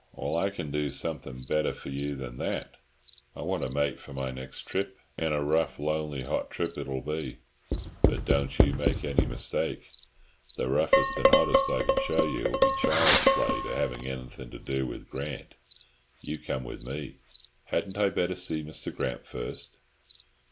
"Well, I can do something better for you than that. I want a mate for my next trip, and a rough lonely hot trip it'll be. But don't you make any mistake. The roughest and hottest I can show you will be child's play to having anything to do with Grant. You come with me." "Hadn't I better see Mr. Grant first?"